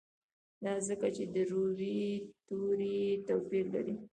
دا ځکه چې د روي توري یې توپیر لري.